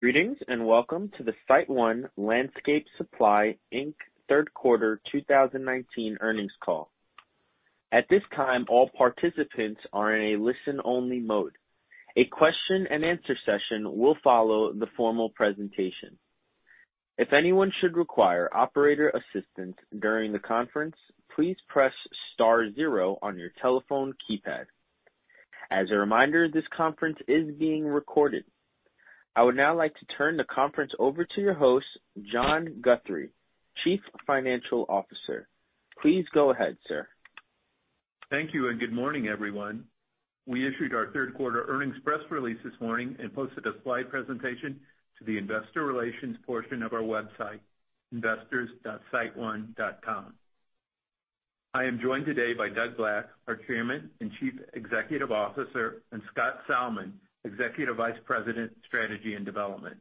Greetings, welcome to the SiteOne Landscape Supply, Inc. third quarter 2019 earnings call. At this time, all participants are in a listen-only mode. A question and answer session will follow the formal presentation. If anyone should require operator assistance during the conference, please press star zero on your telephone keypad. As a reminder, this conference is being recorded. I would now like to turn the conference over to your host, John Guthrie, Chief Financial Officer. Please go ahead, sir. Thank you. Good morning, everyone. We issued our third quarter earnings press release this morning and posted a slide presentation to the investor relations portion of our website, investors.siteone.com. I am joined today by Doug Black, our Chairman and Chief Executive Officer, and Scott Salmon, Executive Vice President, Strategy and Development.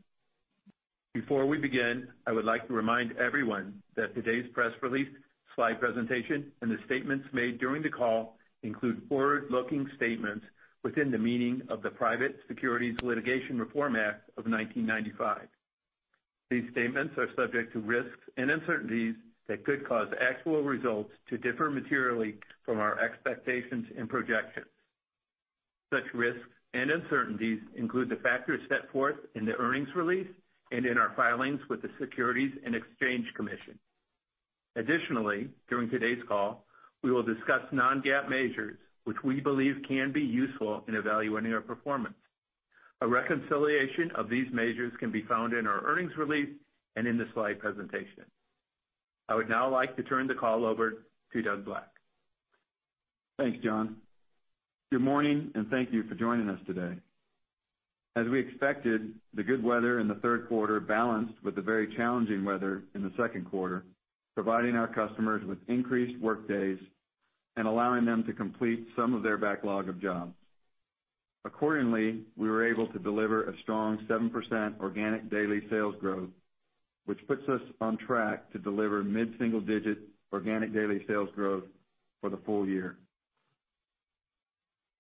Before we begin, I would like to remind everyone that today's press release, slide presentation, and the statements made during the call include forward-looking statements within the meaning of the Private Securities Litigation Reform Act of 1995. These statements are subject to risks and uncertainties that could cause actual results to differ materially from our expectations and projections. Such risks and uncertainties include the factors set forth in the earnings release and in our filings with the Securities and Exchange Commission. Additionally, during today's call, we will discuss non-GAAP measures which we believe can be useful in evaluating our performance. A reconciliation of these measures can be found in our earnings release and in the slide presentation. I would now like to turn the call over to Doug Black. Thanks, John. Good morning, and thank you for joining us today. As we expected, the good weather in the third quarter balanced with the very challenging weather in the second quarter, providing our customers with increased workdays and allowing them to complete some of their backlog of jobs. Accordingly, we were able to deliver a strong 7% organic daily sales growth, which puts us on track to deliver mid-single-digit organic daily sales growth for the full year.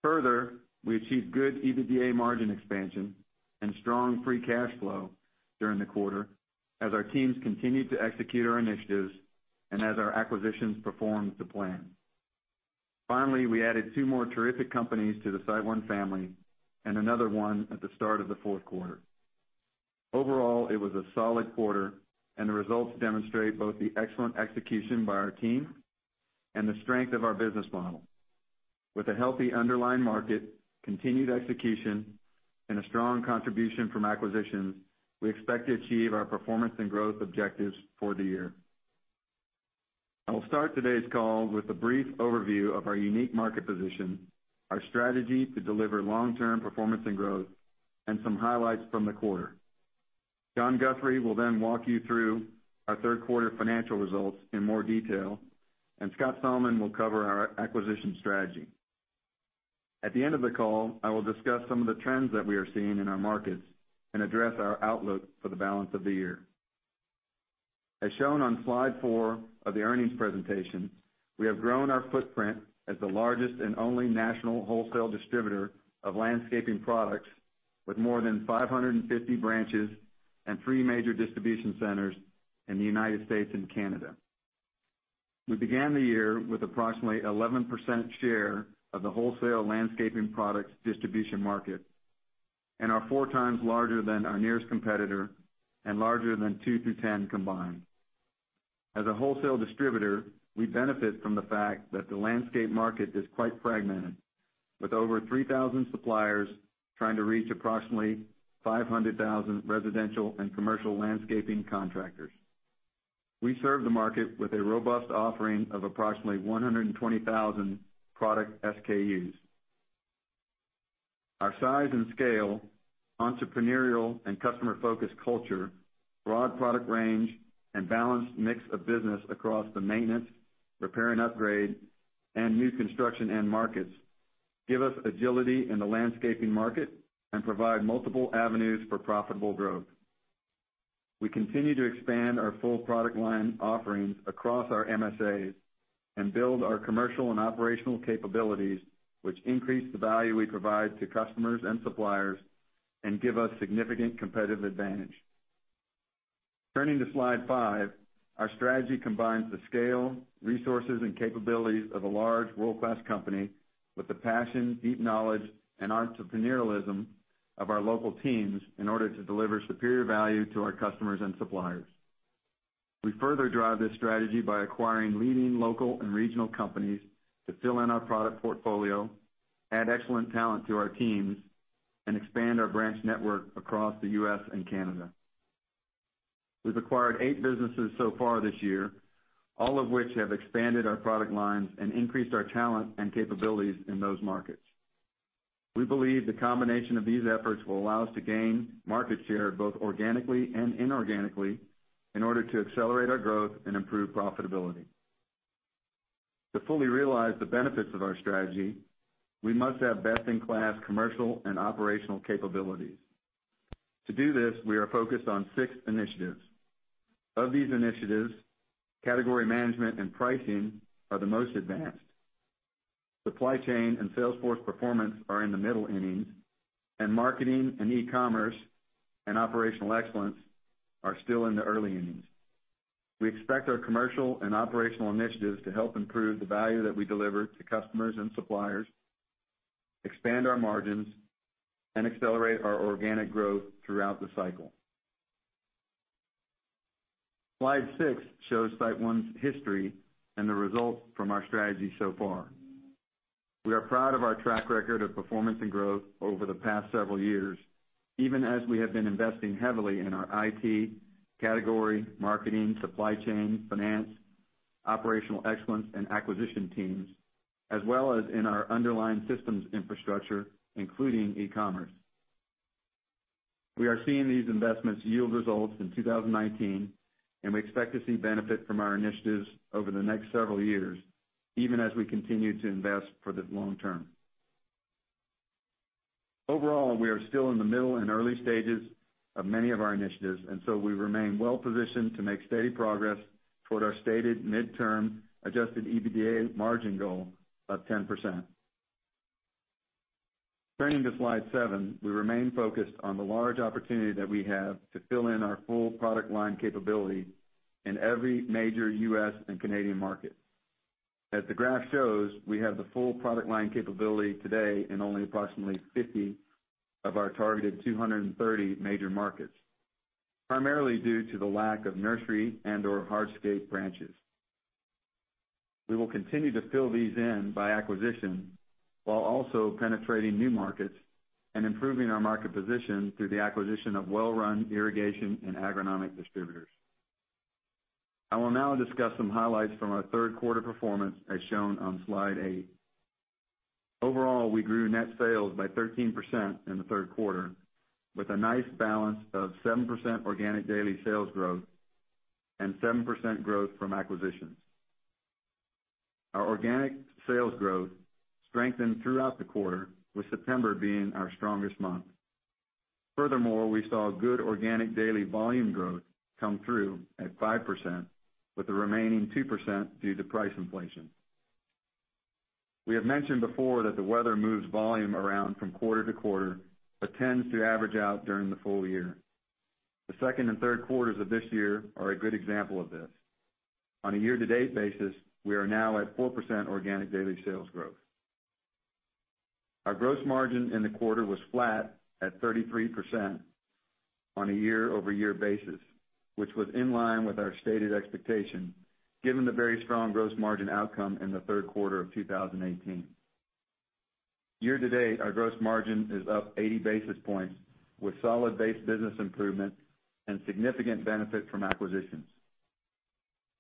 Further, we achieved good EBITDA margin expansion and strong free cash flow during the quarter as our teams continued to execute our initiatives and as our acquisitions performed to plan. Finally, we added two more terrific companies to the SiteOne family and another one at the start of the fourth quarter. Overall, it was a solid quarter, and the results demonstrate both the excellent execution by our team and the strength of our business model. With a healthy underlying market, continued execution, and a strong contribution from acquisitions, we expect to achieve our performance and growth objectives for the year. I will start today's call with a brief overview of our unique market position, our strategy to deliver long-term performance and growth, and some highlights from the quarter. John Guthrie will then walk you through our third quarter financial results in more detail, and Scott Salmon will cover our acquisition strategy. At the end of the call, I will discuss some of the trends that we are seeing in our markets and address our outlook for the balance of the year. As shown on slide four of the earnings presentation, we have grown our footprint as the largest and only national wholesale distributor of landscaping products, with more than 550 branches and three major distribution centers in the United States and Canada. We began the year with approximately 11% share of the wholesale landscaping products distribution market and are four times larger than our nearest competitor and larger than two through 10 combined. As a wholesale distributor, we benefit from the fact that the landscape market is quite fragmented, with over 3,000 suppliers trying to reach approximately 500,000 residential and commercial landscaping contractors. We serve the market with a robust offering of approximately 120,000 product SKUs. Our size and scale, entrepreneurial and customer-focused culture, broad product range, and balanced mix of business across the maintenance, repair and upgrade, and new construction end markets give us agility in the landscaping market and provide multiple avenues for profitable growth. We continue to expand our full product line offerings across our MSAs and build our commercial and operational capabilities, which increase the value we provide to customers and suppliers and give us significant competitive advantage. Turning to slide five, our strategy combines the scale, resources, and capabilities of a large world-class company with the passion, deep knowledge, and entrepreneurialism of our local teams in order to deliver superior value to our customers and suppliers. We further drive this strategy by acquiring leading local and regional companies to fill in our product portfolio, add excellent talent to our teams, and expand our branch network across the U.S. and Canada. We've acquired eight businesses so far this year, all of which have expanded our product lines and increased our talent and capabilities in those markets. We believe the combination of these efforts will allow us to gain market share, both organically and inorganically, in order to accelerate our growth and improve profitability. To fully realize the benefits of our strategy, we must have best-in-class commercial and operational capabilities. To do this, we are focused on six initiatives. Of these initiatives, category management and pricing are the most advanced. Supply chain and sales force performance are in the middle innings, and marketing and e-commerce and operational excellence are still in the early innings. We expect our commercial and operational initiatives to help improve the value that we deliver to customers and suppliers, expand our margins, and accelerate our organic growth throughout the cycle. Slide six shows SiteOne's history and the results from our strategy so far. We are proud of our track record of performance and growth over the past several years, even as we have been investing heavily in our IT, category, marketing, supply chain, finance, operational excellence, and acquisition teams, as well as in our underlying systems infrastructure, including e-commerce. We are seeing these investments yield results in 2019. We expect to see benefit from our initiatives over the next several years, even as we continue to invest for the long term. Overall, we are still in the middle and early stages of many of our initiatives, we remain well-positioned to make steady progress toward our stated midterm adjusted EBITDA margin goal of 10%. Turning to slide seven, we remain focused on the large opportunity that we have to fill in our full product line capability in every major U.S. and Canadian market. As the graph shows, we have the full product line capability today in only approximately 50 of our targeted 230 major markets, primarily due to the lack of nursery and/or hardscapes branches. We will continue to fill these in by acquisition while also penetrating new markets and improving our market position through the acquisition of well-run irrigation and agronomic distributors. I will now discuss some highlights from our third quarter performance as shown on slide eight. Overall, we grew net sales by 13% in the third quarter with a nice balance of 7% organic daily sales growth and 7% growth from acquisitions. Our organic sales growth strengthened throughout the quarter, with September being our strongest month. Furthermore, we saw good organic daily volume growth come through at 5%, with the remaining 2% due to price inflation. We have mentioned before that the weather moves volume around from quarter to quarter, but tends to average out during the full year. The second and third quarters of this year are a good example of this. On a year-to-date basis, we are now at 4% organic daily sales growth. Our gross margin in the quarter was flat at 33% on a year-over-year basis, which was in line with our stated expectation, given the very strong gross margin outcome in the third quarter of 2018. Year-to-date, our gross margin is up 80 basis points with solid base business improvement and significant benefit from acquisitions.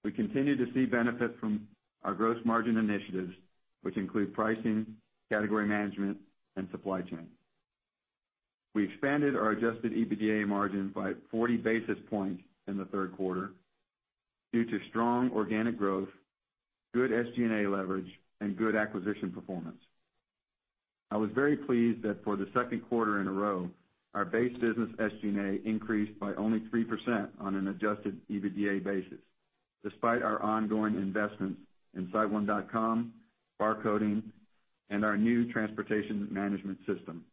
We continue to see benefit from our gross margin initiatives, which include pricing, category management, and supply chain. We expanded our adjusted EBITDA margin by 40 basis points in the third quarter due to strong organic growth, good SG&A leverage, and good acquisition performance. I was very pleased that for the second quarter in a row, our base business SG&A increased by only 3% on an adjusted EBITDA basis, despite our ongoing investments in SiteOne.com, barcoding, and our new transportation management system.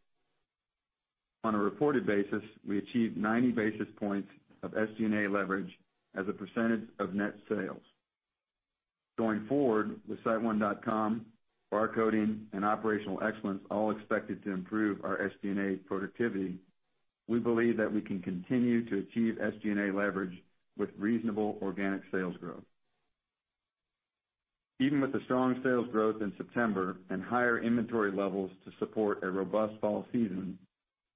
On a reported basis, we achieved 90 basis points of SG&A leverage as a percentage of net sales. Going forward with SiteOne.com, barcoding and operational excellence all expected to improve our SG&A productivity, we believe that we can continue to achieve SG&A leverage with reasonable organic sales growth. Even with the strong sales growth in September and higher inventory levels to support a robust fall season,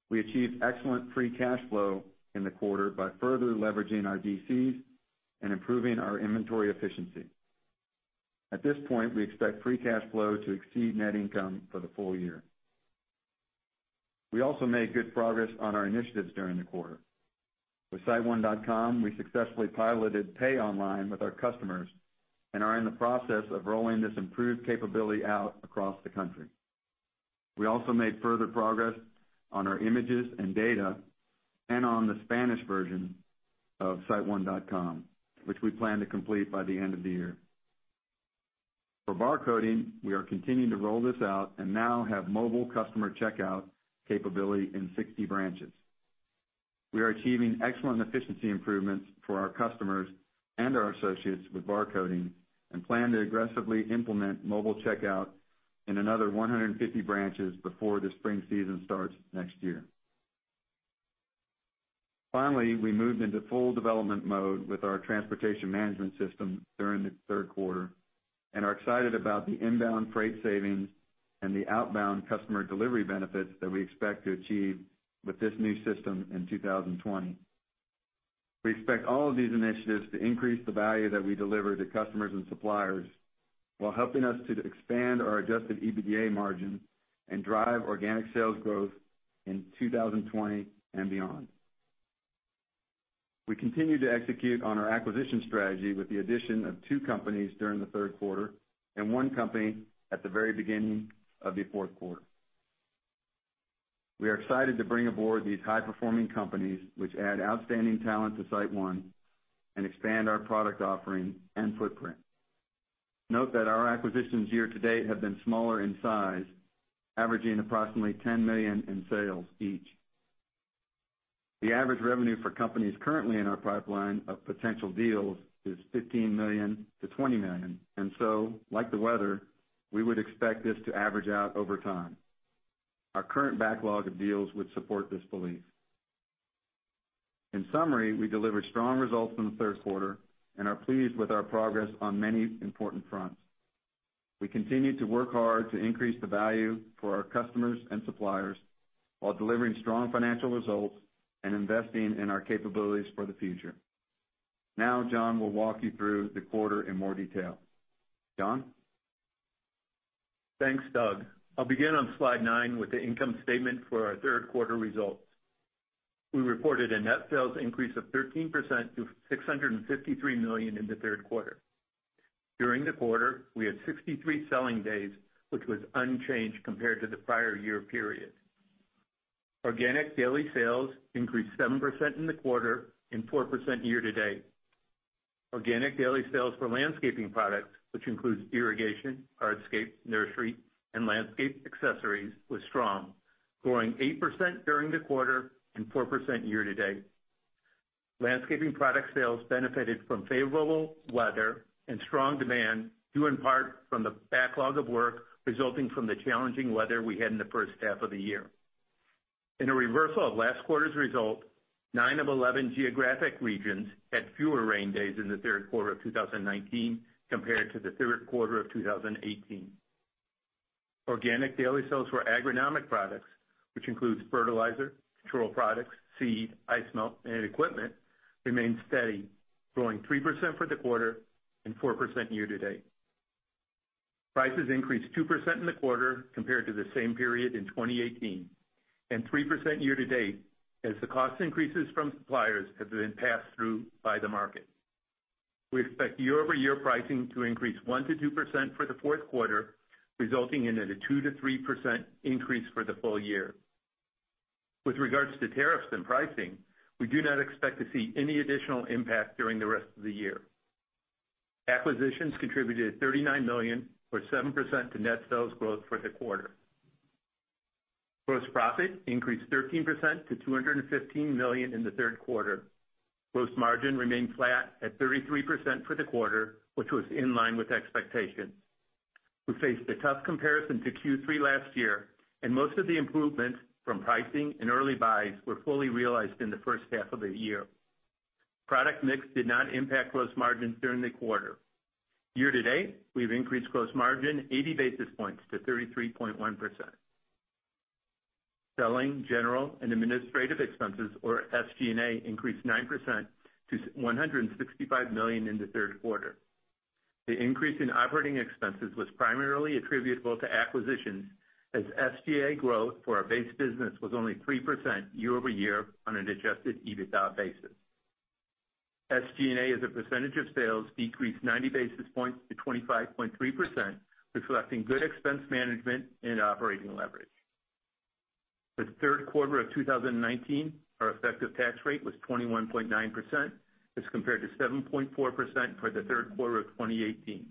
we achieved excellent free cash flow in the quarter by further leveraging our DCs and improving our inventory efficiency. At this point, we expect free cash flow to exceed net income for the full year. We also made good progress on our initiatives during the quarter. With SiteOne.com, we successfully piloted pay online with our customers and are in the process of rolling this improved capability out across the country. We also made further progress on our images and data and on the Spanish version of SiteOne.com, which we plan to complete by the end of the year. For barcoding, we are continuing to roll this out and now have mobile customer checkout capability in 60 branches. We are achieving excellent efficiency improvements for our customers and our associates with barcoding and plan to aggressively implement mobile checkout in another 150 branches before the spring season starts next year. We moved into full development mode with our transportation management system during the third quarter and are excited about the inbound freight savings and the outbound customer delivery benefits that we expect to achieve with this new system in 2020. We expect all of these initiatives to increase the value that we deliver to customers and suppliers while helping us to expand our adjusted EBITDA margin and drive organic sales growth in 2020 and beyond. We continue to execute on our acquisition strategy with the addition of two companies during the third quarter and one company at the very beginning of the fourth quarter. We are excited to bring aboard these high-performing companies, which add outstanding talent to SiteOne and expand our product offering and footprint. Note that our acquisitions year-to-date have been smaller in size, averaging approximately $10 million in sales each. The average revenue for companies currently in our pipeline of potential deals is $15 million-$20 million. Like the weather, we would expect this to average out over time. Our current backlog of deals would support this belief. In summary, we delivered strong results in the third quarter and are pleased with our progress on many important fronts. We continue to work hard to increase the value for our customers and suppliers while delivering strong financial results and investing in our capabilities for the future. Now, John will walk you through the quarter in more detail. John? Thanks, Doug. I'll begin on slide nine with the income statement for our third quarter results. We reported a net sales increase of 13% to $653 million in the third quarter. During the quarter, we had 63 selling days, which was unchanged compared to the prior year period. Organic daily sales increased 7% in the quarter and 4% year-to-date. Organic daily sales for landscaping products, which includes irrigation, hardscape, nursery, and landscape accessories, was strong, growing 8% during the quarter and 4% year-to-date. Landscaping product sales benefited from favorable weather and strong demand due in part from the backlog of work resulting from the challenging weather we had in the first half of the year. In a reversal of last quarter's result, nine of 11 geographic regions had fewer rain days in the third quarter of 2019 compared to the third quarter of 2018. Organic daily sales for agronomic products, which includes fertilizer, control products, seed, ice melt, and equipment, remained steady, growing 3% for the quarter and 4% year-to-date. Prices increased 2% in the quarter compared to the same period in 2018 and 3% year-to-date as the cost increases from suppliers have been passed through by the market. We expect year-over-year pricing to increase 1%-2% for the fourth quarter, resulting in a 2%-3% increase for the full year. With regards to tariffs and pricing, we do not expect to see any additional impact during the rest of the year. Acquisitions contributed $39 million, or 7%, to net sales growth for the quarter. Gross profit increased 13% to $215 million in the third quarter. Gross margin remained flat at 33% for the quarter, which was in line with expectations. We faced a tough comparison to Q3 last year, and most of the improvements from pricing and early buys were fully realized in the first half of the year. Product mix did not impact gross margins during the quarter. Year-to-date, we've increased gross margin 80 basis points to 33.1%. Selling, general, and administrative expenses, or SG&A, increased 9% to $165 million in the third quarter. The increase in operating expenses was primarily attributable to acquisitions as SG&A growth for our base business was only 3% year-over-year on an adjusted EBITDA basis. SG&A as a percentage of sales decreased 90 basis points to 25.3%, reflecting good expense management and operating leverage. For the third quarter of 2019, our effective tax rate was 21.9% as compared to 7.4% for the third quarter of 2018.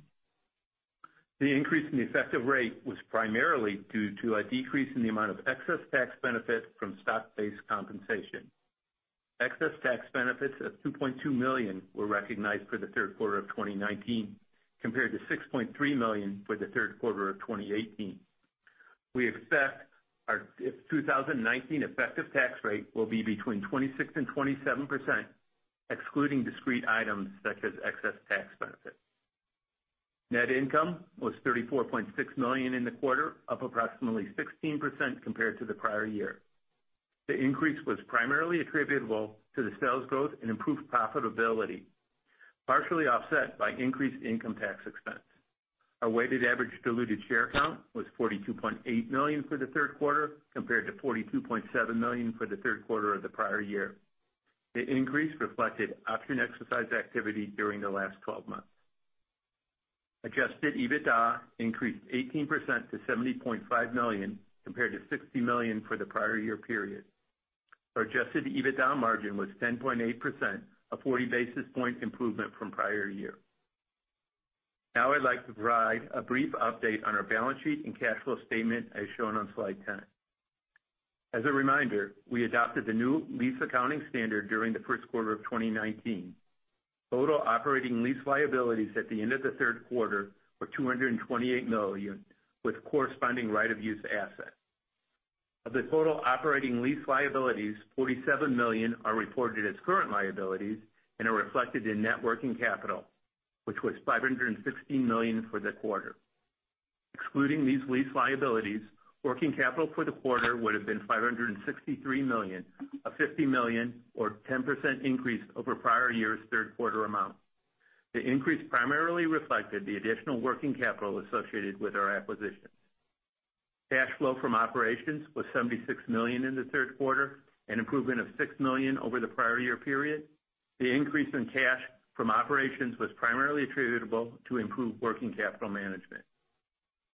The increase in the effective rate was primarily due to a decrease in the amount of excess tax benefit from stock-based compensation. Excess tax benefits of $2.2 million were recognized for the third quarter of 2019, compared to $6.3 million for the third quarter of 2018. We expect our 2019 effective tax rate will be between 26% and 27%, excluding discrete items such as excess tax benefit. Net income was $34.6 million in the quarter, up approximately 16% compared to the prior year. The increase was primarily attributable to the sales growth and improved profitability, partially offset by increased income tax expense. Our weighted average diluted share count was 42.8 million for the third quarter, compared to 42.7 million for the third quarter of the prior year. The increase reflected option exercise activity during the last 12 months. Adjusted EBITDA increased 18% to $70.5 million, compared to $60 million for the prior year period. Our adjusted EBITDA margin was 10.8%, a 40 basis point improvement from prior year. I'd like to provide a brief update on our balance sheet and cash flow statement as shown on slide 10. As a reminder, we adopted the new lease accounting standard during the first quarter of 2019. Total operating lease liabilities at the end of the third quarter were $228 million with corresponding right-of-use asset. Of the total operating lease liabilities, $47 million are reported as current liabilities and are reflected in net working capital, which was $516 million for the quarter. Excluding these lease liabilities, working capital for the quarter would have been $563 million, a $50 million or 10% increase over prior year's third quarter amount. The increase primarily reflected the additional working capital associated with our acquisition. Cash flow from operations was $76 million in the third quarter, an improvement of $6 million over the prior year period. The increase in cash from operations was primarily attributable to improved working capital management.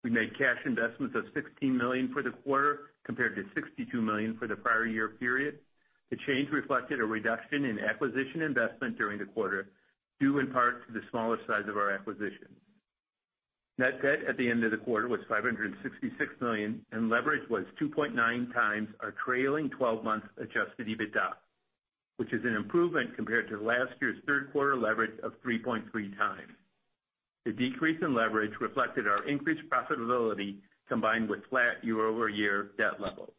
We made cash investments of $16 million for the quarter, compared to $62 million for the prior year period. The change reflected a reduction in acquisition investment during the quarter, due in part to the smaller size of our acquisitions. Net debt at the end of the quarter was $566 million, and leverage was 2.9x our trailing 12-month adjusted EBITDA, which is an improvement compared to last year's third quarter leverage of 3.3x. The decrease in leverage reflected our increased profitability, combined with flat year-over-year debt levels.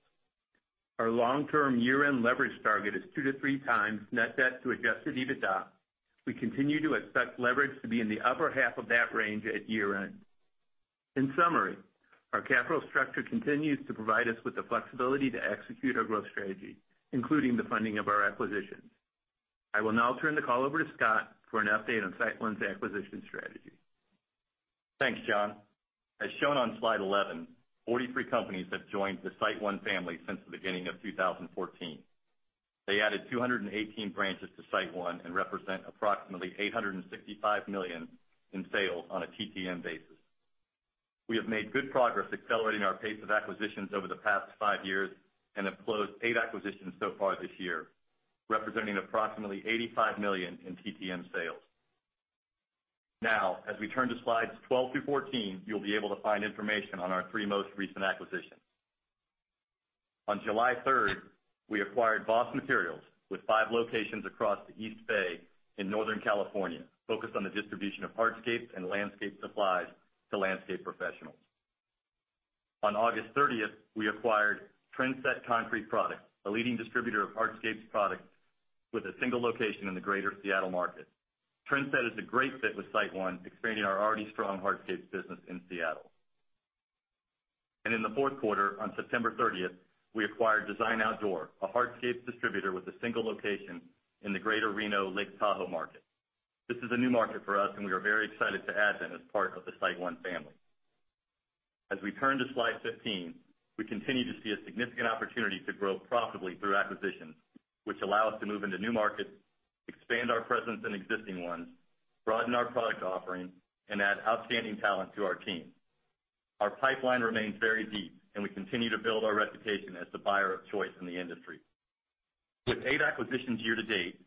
Our long-term year-end leverage target is 2x-3x net debt to adjusted EBITDA. We continue to expect leverage to be in the upper half of that range at year-end. In summary, our capital structure continues to provide us with the flexibility to execute our growth strategy, including the funding of our acquisitions. I will now turn the call over to Scott for an update on SiteOne's acquisition strategy. Thanks, John. As shown on slide 11, 43 companies have joined the SiteOne family since the beginning of 2014. They added 218 branches to SiteOne and represent approximately $865 million in sales on a TTM basis. We have made good progress accelerating our pace of acquisitions over the past five years and have closed eight acquisitions so far this year, representing approximately $85 million in TTM sales. As we turn to slides 12 through 14, you'll be able to find information on our three most recent acquisitions. On July 3rd, we acquired Voss Materials with five locations across the East Bay in Northern California, focused on the distribution of hardscape and landscape supplies to landscape professionals. On August 30th, we acquired Trendset Concrete Products, a leading distributor of hardscapes products with a single location in the Greater Seattle market. Trendset is a great fit with SiteOne, expanding our already strong hardscapes business in Seattle. In the fourth quarter, on September 30th, we acquired Design Outdoor, a hardscapes distributor with a single location in the Greater Reno-Lake Tahoe market. This is a new market for us, and we are very excited to add them as part of the SiteOne family. As we turn to slide 15, we continue to see a significant opportunity to grow profitably through acquisitions, which allow us to move into new markets, expand our presence in existing ones, broaden our product offering, and add outstanding talent to our team. Our pipeline remains very deep, and we continue to build our reputation as the buyer of choice in the industry. With eight acquisitions year to date,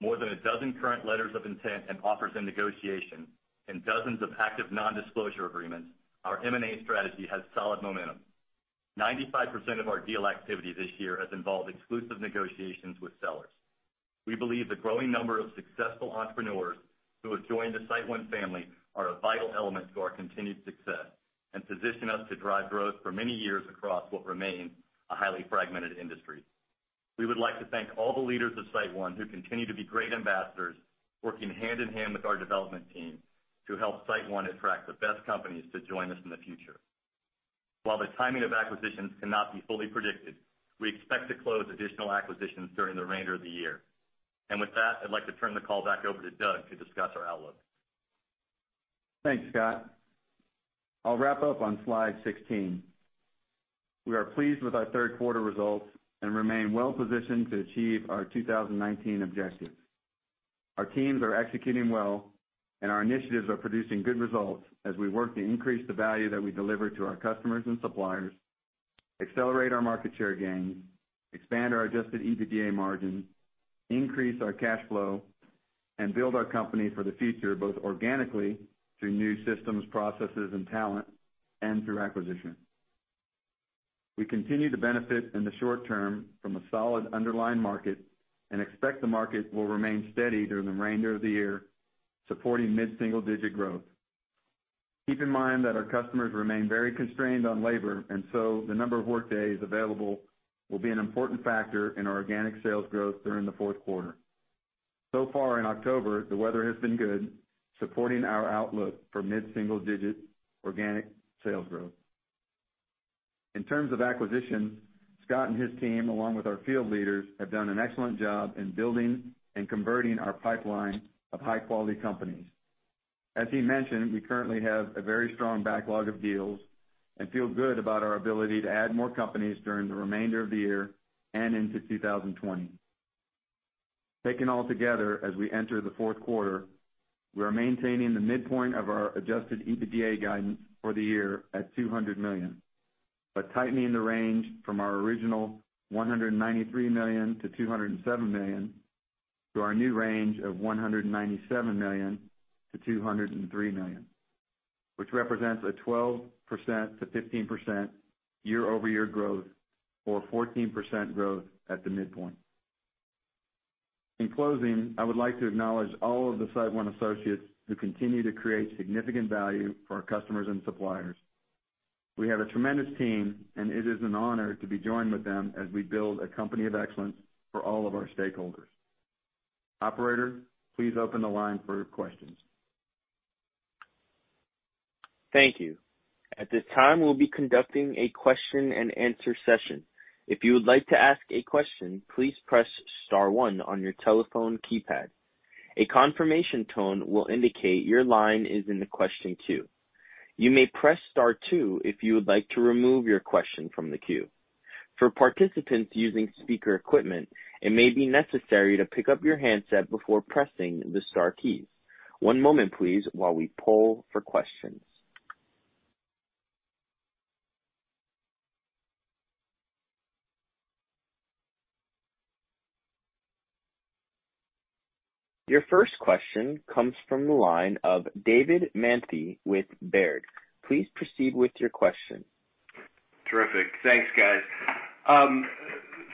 more than a dozen current letters of intent and offers in negotiation, and dozens of active nondisclosure agreements, our M&A strategy has solid momentum. 95% of our deal activity this year has involved exclusive negotiations with sellers. We believe the growing number of successful entrepreneurs who have joined the SiteOne family are a vital element to our continued success and position us to drive growth for many years across what remains a highly fragmented industry. We would like to thank all the leaders of SiteOne who continue to be great ambassadors, working hand-in-hand with our development team to help SiteOne attract the best companies to join us in the future. While the timing of acquisitions cannot be fully predicted, we expect to close additional acquisitions during the remainder of the year. With that, I'd like to turn the call back over to Doug to discuss our outlook. Thanks, Scott. I'll wrap up on slide 16. We are pleased with our third quarter results and remain well-positioned to achieve our 2019 objectives. Our teams are executing well, and our initiatives are producing good results as we work to increase the value that we deliver to our customers and suppliers, accelerate our market share gains, expand our adjusted EBITDA margins, increase our cash flow, and build our company for the future, both organically through new systems, processes, and talent, and through acquisition. We continue to benefit in the short term from a solid underlying market and expect the market will remain steady during the remainder of the year, supporting mid-single-digit growth. Keep in mind that our customers remain very constrained on labor, the number of workdays available will be an important factor in our organic sales growth during the fourth quarter. Far in October, the weather has been good, supporting our outlook for mid-single-digit organic sales growth. In terms of acquisition, Scott and his team, along with our field leaders, have done an excellent job in building and converting our pipeline of high-quality companies. As he mentioned, we currently have a very strong backlog of deals and feel good about our ability to add more companies during the remainder of the year and into 2020. Taken all together, as we enter the fourth quarter, we are maintaining the midpoint of our adjusted EBITDA guidance for the year at $200 million, but tightening the range from our original $193 million to $207 million to our new range of $197 million to $203 million, which represents a 12%-15% year-over-year growth or 14% growth at the midpoint. In closing, I would like to acknowledge all of the SiteOne associates who continue to create significant value for our customers and suppliers. We have a tremendous team, and it is an honor to be joined with them as we build a company of excellence for all of our stakeholders. Operator, please open the line for questions. Thank you. At this time, we'll be conducting a question-and-answer session. If you would like to ask a question, please press star one on your telephone keypad. A confirmation tone will indicate your line is in the question queue. You may press star two if you would like to remove your question from the queue. For participants using speaker equipment, it may be necessary to pick up your handset before pressing the star key. One moment please while we poll for questions. Your first question comes from the line of David Manthey with Baird. Please proceed with your question. Terrific. Thanks, guys.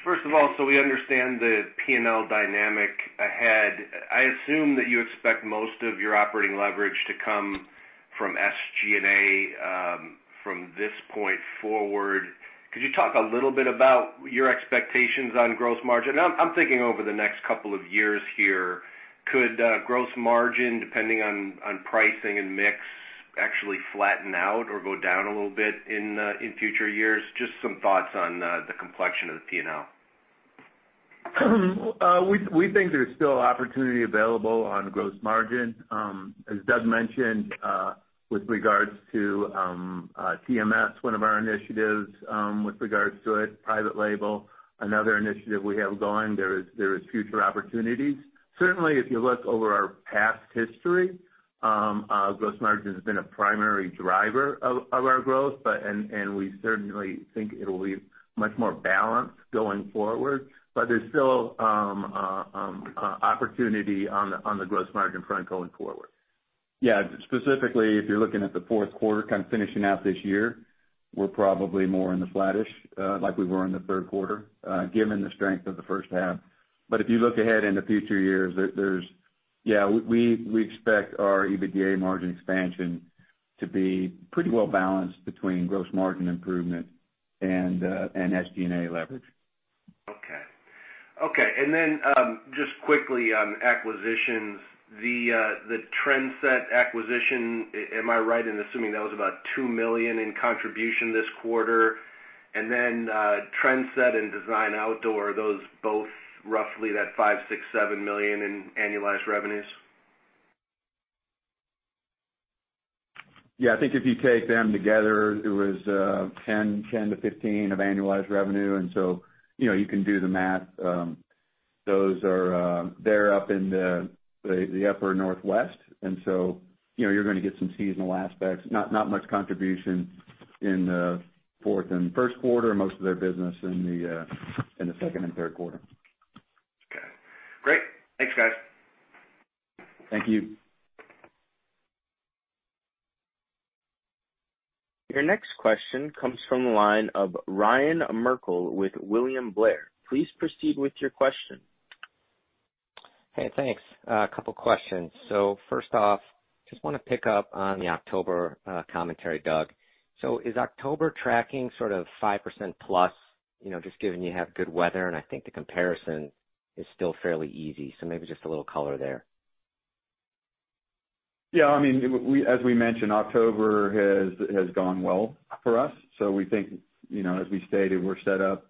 First of all, we understand the P&L dynamic ahead, I assume that you expect most of your operating leverage to come from SG&A, from this point forward. Could you talk a little bit about your expectations on gross margin? I'm thinking over the next couple of years here. Could gross margin, depending on pricing and mix, actually flatten out or go down a little bit in future years? Just some thoughts on the complexion of the P&L. We think there's still opportunity available on gross margin. As Doug mentioned, with regards to TMS, one of our initiatives with regards to it, private label, another initiative we have going, there is future opportunities. If you look over our past history, gross margin has been a primary driver of our growth, and we certainly think it'll be much more balanced going forward. There's still opportunity on the gross margin front going forward. Yeah. Specifically, if you're looking at the fourth quarter, kind of finishing out this year, we're probably more in the flattish, like we were in the third quarter, given the strength of the first half. But if you look ahead in the future years, we expect our EBITDA margin expansion to be pretty well balanced between gross margin improvement and SG&A leverage. Okay. Just quickly on acquisitions. The Trendset acquisition, am I right in assuming that was about $2 million in contribution this quarter? Trendset and Design Outdoor, are those both roughly that $5 million-$7 million in annualized revenues? Yeah. I think if you take them together, it was $10-$15 of annualized revenue. You can do the math. They're up in the upper northwest, you're going to get some seasonal aspects, not much contribution in the fourth and first quarter, most of their business in the second and third quarter. Okay. Great. Thanks, guys. Thank you. Your next question comes from the line of Ryan Merkel with William Blair. Please proceed with your question. Hey, thanks. A couple questions. First off, just want to pick up on the October commentary, Doug. Is October tracking sort of 5% plus, just given you have good weather and I think the comparison is still fairly easy, so maybe just a little color there. Yeah. As we mentioned, October has gone well for us, so we think, as we stated, we're set up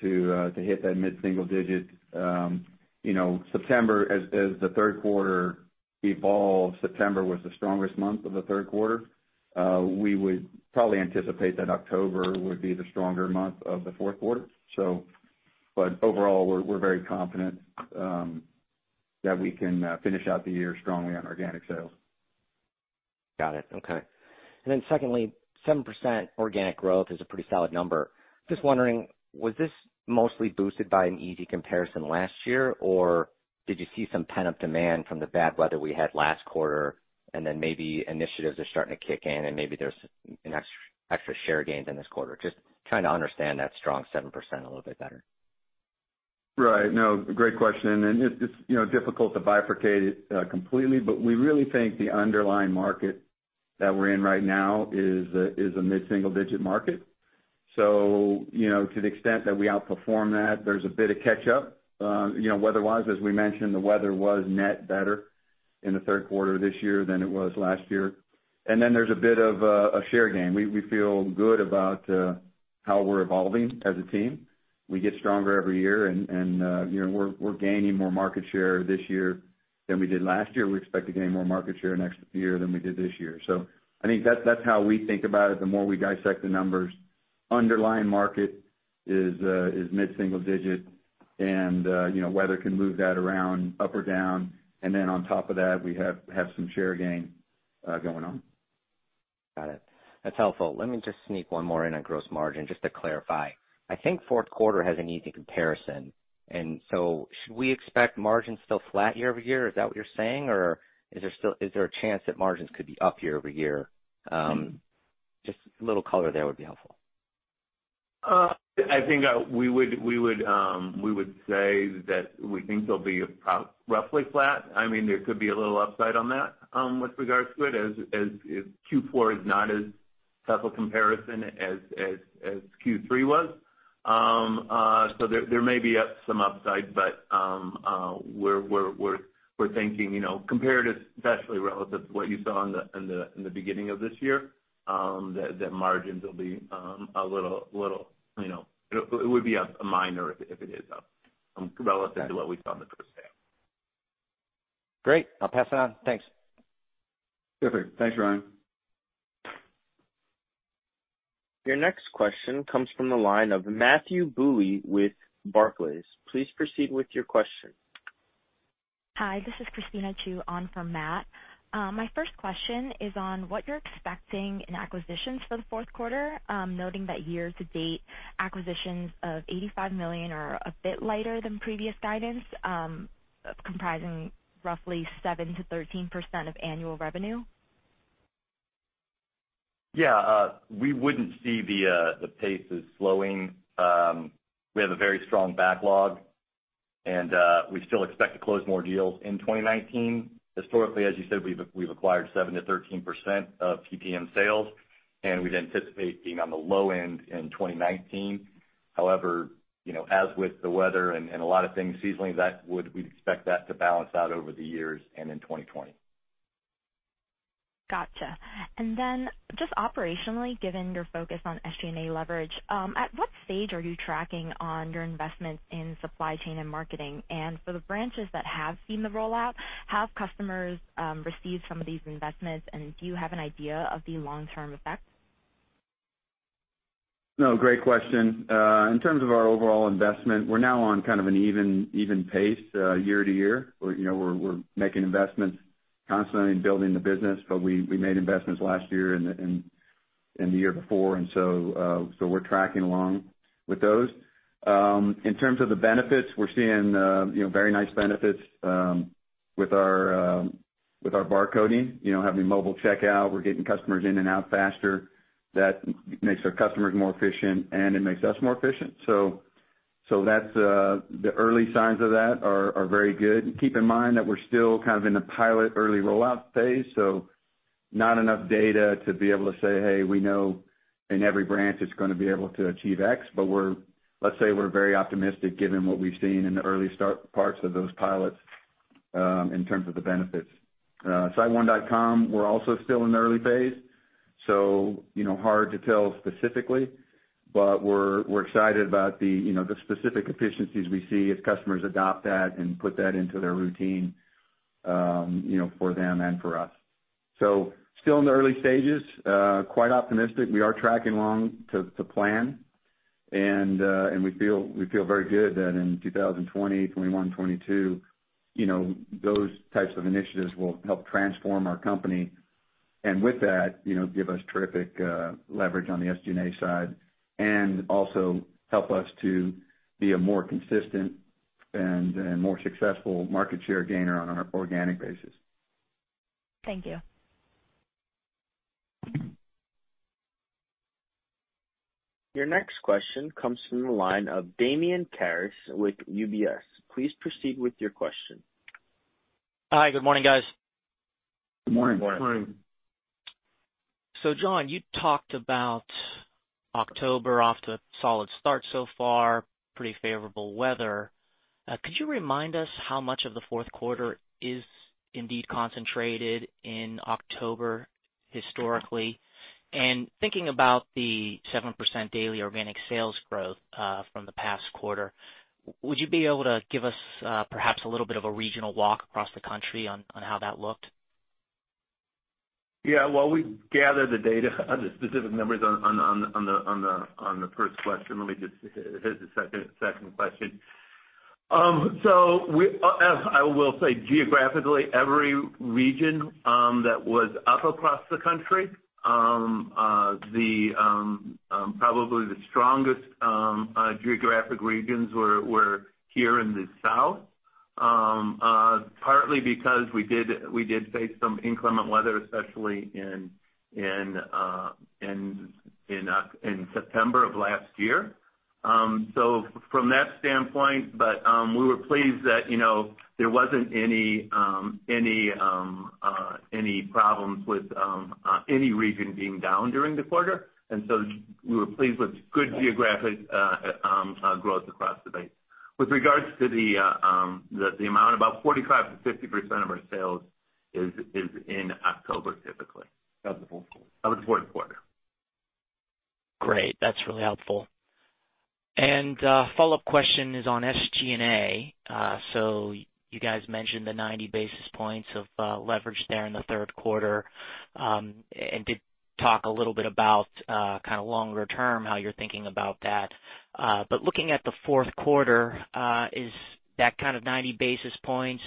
to hit that mid-single digit. As the third quarter evolved, September was the strongest month of the third quarter. We would probably anticipate that October would be the stronger month of the fourth quarter. Overall, we're very confident that we can finish out the year strongly on organic sales. Got it. Okay. Secondly, 7% organic growth is a pretty solid number. Just wondering, was this mostly boosted by an easy comparison last year, or did you see some pent-up demand from the bad weather we had last quarter, then maybe initiatives are starting to kick in maybe there's extra share gains in this quarter? Just trying to understand that strong 7% a little bit better. Right. No, great question. It's difficult to bifurcate it completely, but we really think the underlying market that we're in right now is a mid-single digit market. To the extent that we outperform that, there's a bit of catch up. Weather-wise, as we mentioned, the weather was net better in the third quarter this year than it was last year. There's a bit of a share gain. We feel good about how we're evolving as a team. We get stronger every year and we're gaining more market share this year than we did last year. We expect to gain more market share next year than we did this year. I think that's how we think about it the more we dissect the numbers. Underlying market is mid-single digit and weather can move that around up or down. On top of that, we have some share gain going on. Got it. That's helpful. Let me just sneak one more in on gross margin, just to clarify. I think fourth quarter has an easy comparison. Should we expect margins still flat year-over-year? Is that what you're saying, or is there a chance that margins could be up year-over-year? Just a little color there would be helpful. I think we would say that we think they'll be roughly flat. There could be a little upside on that with regards to it, as Q4 is not as tough a comparison as Q3 was. There may be some upside. We're thinking comparatively relative to what you saw in the beginning of this year, that margins will be minor if it is up, relative to what we saw in the first half. Great. I'll pass it on. Thanks. Perfect. Thanks, Ryan. Your next question comes from the line of Matthew Bouley with Barclays. Please proceed with your question. Hi, this is Christina Chu on for Matt. My first question is on what you're expecting in acquisitions for the fourth quarter, noting that year to date acquisitions of $85 million are a bit lighter than previous guidance, comprising roughly 7%-13% of annual revenue. Yeah. We wouldn't see the paces slowing. We have a very strong backlog, and we still expect to close more deals in 2019. Historically, as you said, we've acquired seven to 13% of PPM sales, and we'd anticipate being on the low end in 2019. However, as with the weather and a lot of things seasonally, we'd expect that to balance out over the years and in 2020. Got you. Just operationally, given your focus on SG&A leverage, at what stage are you tracking on your investment in supply chain and marketing? For the branches that have seen the rollout, have customers received some of these investments, and do you have an idea of the long-term effects? No, great question. In terms of our overall investment, we're now on kind of an even pace year to year. We're making investments constantly in building the business, but we made investments last year and the year before, and so we're tracking along with those. In terms of the benefits, we're seeing very nice benefits with our barcoding, having mobile checkout. We're getting customers in and out faster. That makes our customers more efficient, and it makes us more efficient. The early signs of that are very good. Keep in mind that we're still kind of in the pilot early rollout phase, so not enough data to be able to say, "Hey, we know in every branch it's going to be able to achieve X," but let's say we're very optimistic given what we've seen in the early start parts of those pilots in terms of the benefits. SiteOne.com, we're also still in the early phase, hard to tell specifically, but we're excited about the specific efficiencies we see as customers adopt that and put that into their routine for them and for us. Still in the early stages. Quite optimistic. We are tracking along to plan, we feel very good that in 2020, 2021, 2022, those types of initiatives will help transform our company and with that, give us terrific leverage on the SG&A side and also help us to be a more consistent and more successful market share gainer on an organic basis. Thank you. Your next question comes from the line of Damian Karas with UBS. Please proceed with your question. Hi, good morning, guys. Good morning. Morning. John, you talked about October off to a solid start so far, pretty favorable weather. Could you remind us how much of the fourth quarter is indeed concentrated in October historically? Thinking about the 7% daily organic sales growth from the past quarter, would you be able to give us perhaps a little bit of a regional walk across the country on how that looked? Yeah. We gathered the data on the specific numbers on the first question. Let me just hit the second question. I will say geographically, every region that was up across the country. Probably the strongest geographic regions were here in the South, partly because we did face some inclement weather, especially in September of last year. From that standpoint, we were pleased that there wasn't any problems with any region being down during the quarter. We were pleased with good geographic growth across the base. With regards to the amount, about 45%-50% of our sales is in October, typically. Of the fourth quarter. Of the fourth quarter. Great. That's really helpful. A follow-up question is on SG&A. You guys mentioned the 90 basis points of leverage there in the third quarter, and did talk a little bit about kind of longer term, how you're thinking about that. Looking at the fourth quarter, is that kind of 90 basis points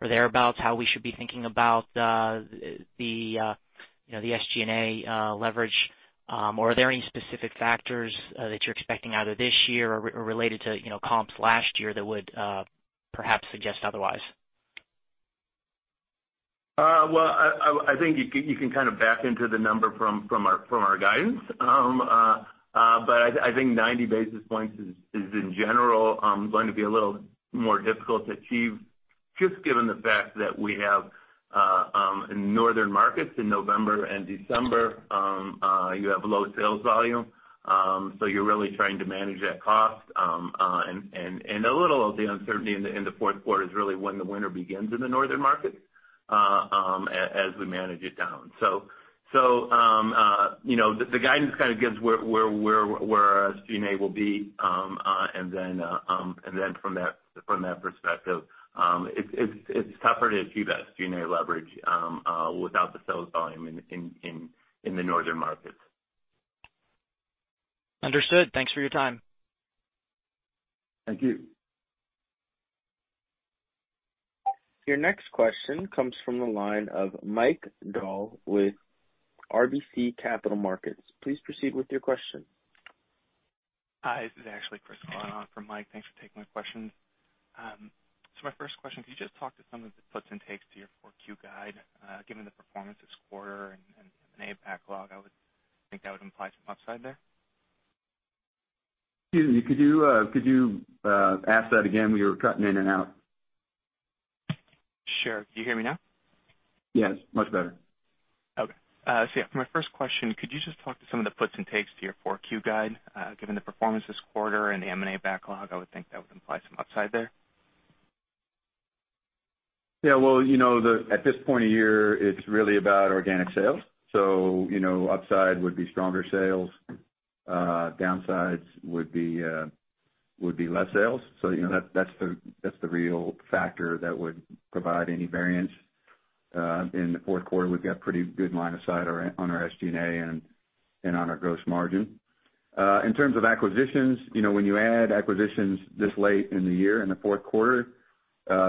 or thereabouts, how we should be thinking about the SG&A leverage? Are there any specific factors that you're expecting out of this year or related to comps last year that would perhaps suggest otherwise? Well, I think you can kind of back into the number from our guidance. I think 90 basis points is in general going to be a little more difficult to achieve just given the fact that we have in northern markets in November and December, you have low sales volume. You're really trying to manage that cost. A little of the uncertainty in the fourth quarter is really when the winter begins in the northern markets. As we manage it down. The guidance kind of gives where our SG&A will be, from that perspective, it's tougher to achieve that SG&A leverage without the sales volume in the northern markets. Understood. Thanks for your time. Thank you. Your next question comes from the line of Mike Dahl with RBC Capital Markets. Please proceed with your question. Hi, this is actually Chris for Mike. Thanks for taking my question. My first question, could you just talk to some of the puts and takes to your 4Q guide, given the performance this quarter and M&A backlog? I would think that would imply some upside there. Excuse me, could you ask that again? We were cutting in and out. Sure. Do you hear me now? Yes, much better. Okay. Yeah, for my first question, could you just talk to some of the puts and takes to your 4Q guide, given the performance this quarter and the M&A backlog? I would think that would imply some upside there. Yeah, well, at this point of year, it's really about organic sales. Upside would be stronger sales. Downsides would be less sales. That's the real factor that would provide any variance. In the fourth quarter, we've got pretty good line of sight on our SG&A and on our gross margin. In terms of acquisitions, when you add acquisitions this late in the year, in the fourth quarter,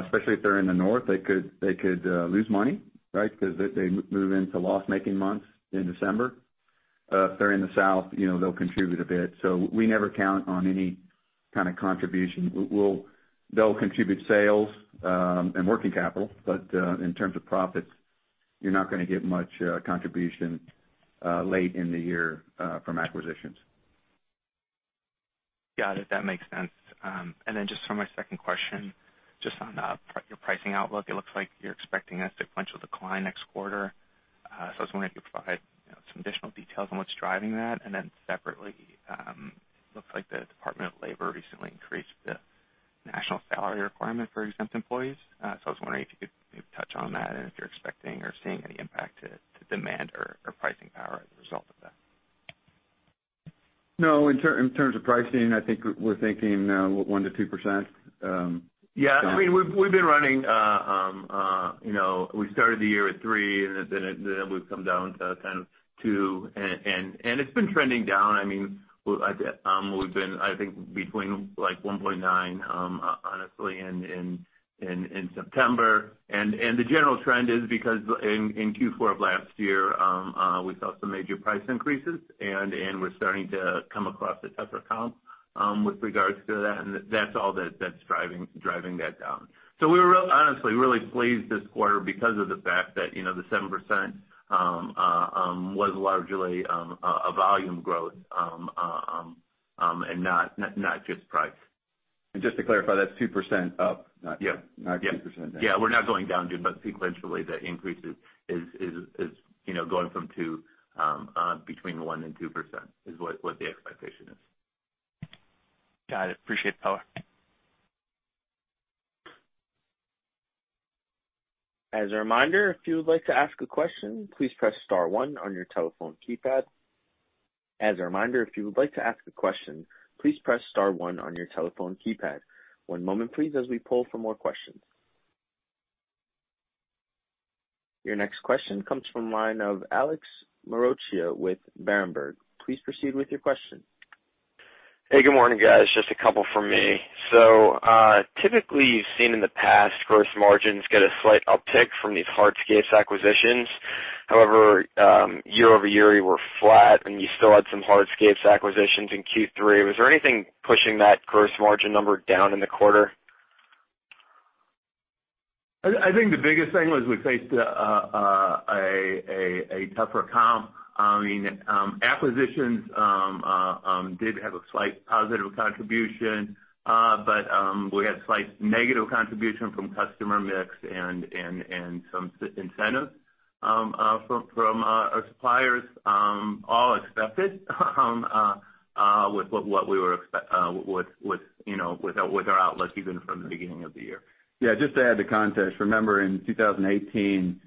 especially if they're in the north, they could lose money, right? Because they move into loss-making months in December. If they're in the south, they'll contribute a bit. We never count on any kind of contribution. They'll contribute sales and working capital. In terms of profits, you're not gonna get much contribution late in the year from acquisitions. Got it. That makes sense. Just for my second question, just on your pricing outlook, it looks like you're expecting a sequential decline next quarter. I was wondering if you could provide some additional details on what's driving that. Separately, looks like the Department of Labor recently increased the national salary requirement for exempt employees. I was wondering if you could maybe touch on that and if you're expecting or seeing any impact to demand or pricing power as a result of that. No, in terms of pricing, I think we're thinking 1%-2%. Yeah, we started the year at 3, and then we've come down to kind of 2, and it's been trending down. We've been, I think, between 1.9, honestly, in September. The general trend is because in Q4 of last year, we saw some major price increases. We're starting to come across a tougher comp with regards to that. That's all that's driving that down. We were honestly really pleased this quarter because of the fact that the 7% was largely a volume growth and not just price. Just to clarify, that's 2% up, not 2% down. Yeah. We're not going down, but sequentially, the increase is going from 2%, between 1% and 2% is what the expectation is. Got it. Appreciate it, fellas. As a reminder, if you would like to ask a question, please press star one on your telephone keypad. As a reminder, if you would like to ask a question, please press star one on your telephone keypad. One moment, please, as we poll for more questions. Your next question comes from line of Alex Maroccia with Berenberg. Please proceed with your question. Hey, good morning, guys. Just a couple from me. Typically, you've seen in the past, gross margins get a slight uptick from these hardscapes acquisitions. However, year-over-year, you were flat, and you still had some hardscapes acquisitions in Q3. Was there anything pushing that gross margin number down in the quarter? I think the biggest thing was we faced a tougher comp. Acquisitions did have a slight positive contribution. We had slight negative contribution from customer mix and some incentives from our suppliers, all expected with our outlook even from the beginning of the year. Yeah, just to add to context, remember in 2018,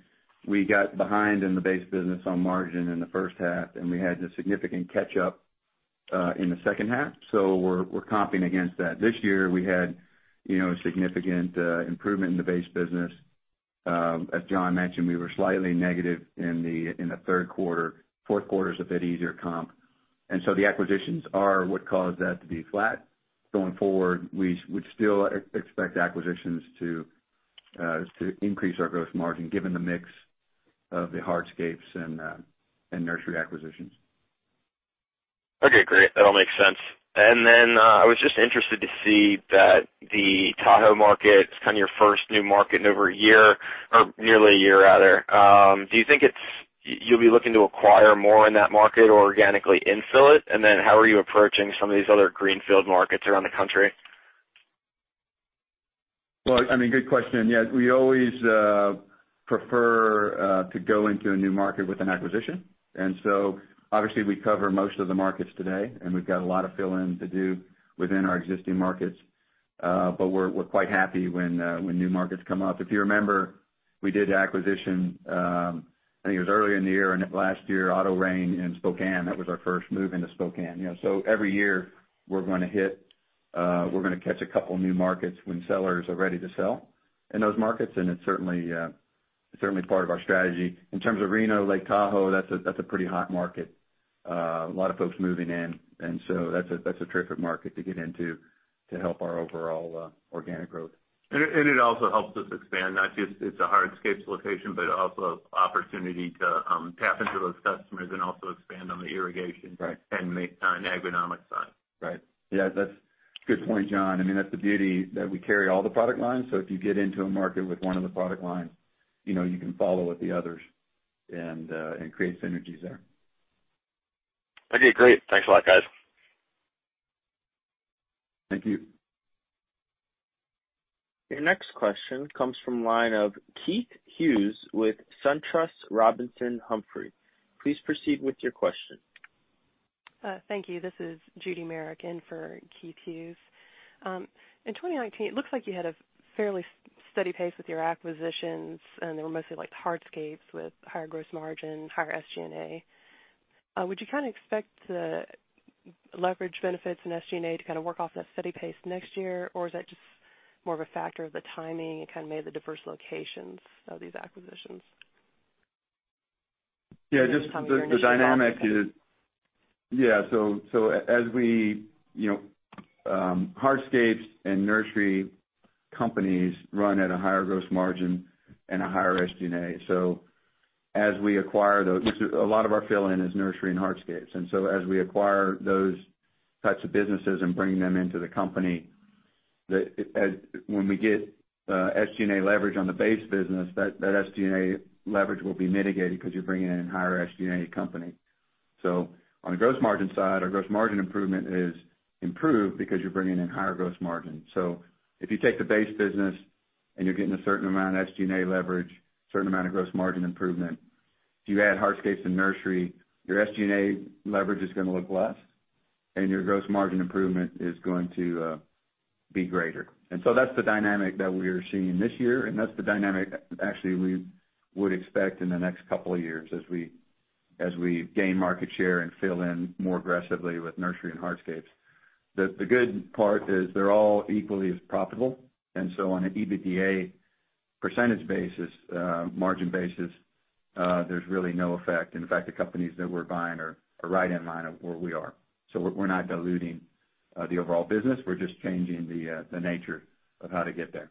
we got behind in the base business on margin in the first half, and we had a significant catch-up in the second half. We're comping against that. This year, we had a significant improvement in the base business. As John mentioned, we were slightly negative in the third quarter. Fourth quarter is a bit easier comp. The acquisitions are what caused that to be flat. Going forward, we would still expect acquisitions to increase our gross margin given the mix of the hardscapes and nursery acquisitions. Okay, great. That all makes sense. I was just interested to see that the Tahoe market is kind of your first new market in over a year, or nearly a year, rather. Do you think you'll be looking to acquire more in that market or organically infill it? How are you approaching some of these other greenfield markets around the country? Well, good question. Yeah, we always prefer to go into a new market with an acquisition. Obviously, we cover most of the markets today, and we've got a lot of fill-in to do within our existing markets. We're quite happy when new markets come up. If you remember, we did the acquisition, I think it was earlier in the year, or last year, Auto-Rain Supply in Spokane. That was our first move into Spokane. Every year we're going to catch a couple of new markets when sellers are ready to sell in those markets, and it's certainly part of our strategy. In terms of Reno, Lake Tahoe, that's a pretty hot market. A lot of folks moving in. That's a terrific market to get into to help our overall organic growth. It also helps us expand, not just it's a hardscapes location, but also opportunity to tap into those customers and also expand on the irrigation. Right The agronomic side. Right. Yeah, that's a good point, John. That's the beauty, that we carry all the product lines, so if you get into a market with one of the product lines, you can follow with the others and create synergies there. Okay, great. Thanks a lot, guys. Thank you. Your next question comes from the line of Keith Hughes with SunTrust Robinson Humphrey. Please proceed with your question. Thank you. This is Judith Merrick in for Keith Hughes. In 2019, it looks like you had a fairly steady pace with your acquisitions, and they were mostly hardscapes with higher gross margin, higher SG&A. Would you kind of expect the leverage benefits in SG&A to kind of work off that steady pace next year, or is that just more of a factor of the timing, and kind of maybe the diverse locations of these acquisitions? Yeah. The dynamic is Yeah. Hardscapes and nursery companies run at a higher gross margin and a higher SG&A. A lot of our fill-in is nursery and hardscapes. As we acquire those types of businesses and bring them into the company, when we get SG&A leverage on the base business, that SG&A leverage will be mitigated because you're bringing in a higher SG&A company. On the gross margin side, our gross margin improvement is improved because you're bringing in higher gross margin. If you take the base business and you're getting a certain amount of SG&A leverage, certain amount of gross margin improvement, if you add hardscapes and nursery, your SG&A leverage is going to look less, and your gross margin improvement is going to be greater. That's the dynamic that we're seeing this year, and that's the dynamic, actually, we would expect in the next couple of years as we gain market share and fill in more aggressively with nursery and hardscapes. The good part is they're all equally as profitable, on an EBITDA % basis, margin basis, there's really no effect. In fact, the companies that we're buying are right in line of where we are. We're not diluting the overall business, we're just changing the nature of how to get there.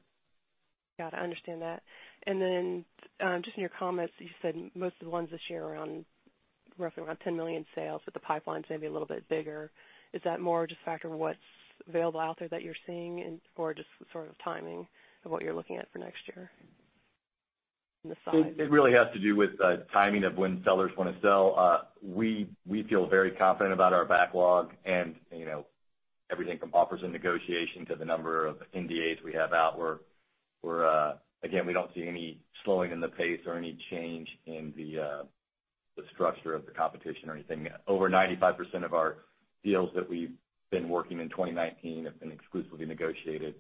Got it. I understand that. Then, just in your comments, you said most of the ones this year are roughly around $10 million sales, but the pipeline's maybe a little bit bigger. Is that more just a factor of what's available out there that you're seeing, or just sort of timing of what you're looking at for next year on the side? It really has to do with timing of when sellers want to sell. We feel very confident about our backlog and everything from offers and negotiation to the number of NDAs we have out. Again, we don't see any slowing in the pace or any change in the structure of the competition or anything. Over 95% of our deals that we've been working in 2019 have been exclusively negotiated.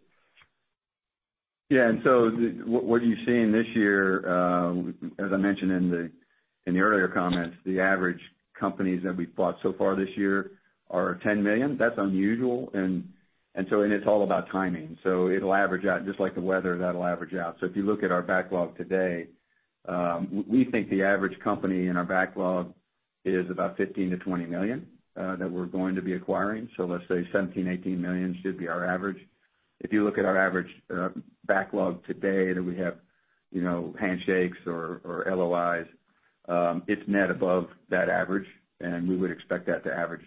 What you're seeing this year, as I mentioned in the earlier comments, the average companies that we've bought so far this year are $10 million. That's unusual, and it's all about timing. It will average out, just like the weather, that will average out. If you look at our backlog today, we think the average company in our backlog is about $15 million-$20 million that we're going to be acquiring. Let's say $17 million-$18 million should be our average. If you look at our average backlog today that we have handshakes or LOIs, it's net above that average, and we would expect that to average.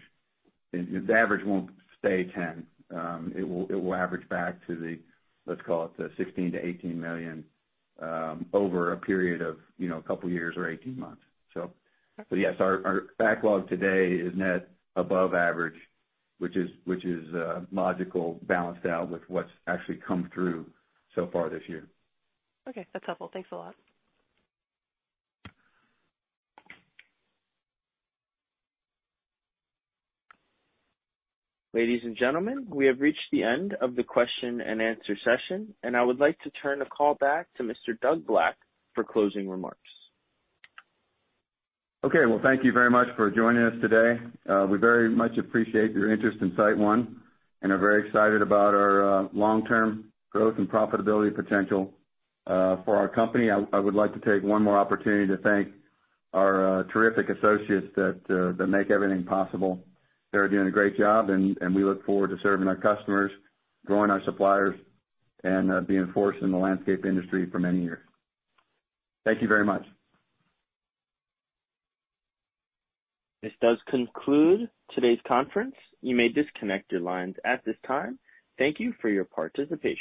The average won't stay 10. It will average back to the, let's call it, the $16 million-$18 million, over a period of a couple of years or 18 months. Yes, our backlog today is net above average, which is logically balanced out with what's actually come through so far this year. Okay. That's helpful. Thanks a lot. Ladies and gentlemen, we have reached the end of the question and answer session, and I would like to turn the call back to Mr. Doug Black for closing remarks. Okay. Well, thank you very much for joining us today. We very much appreciate your interest in SiteOne, and are very excited about our long-term growth and profitability potential for our company. I would like to take one more opportunity to thank our terrific associates that make everything possible. They're doing a great job, and we look forward to serving our customers, growing our suppliers, and being a force in the landscape industry for many years. Thank you very much. This does conclude today's conference. You may disconnect your lines at this time. Thank you for your participation.